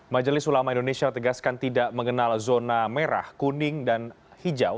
majelis ulama indonesia tegaskan tidak mengenal zona merah kuning dan hijau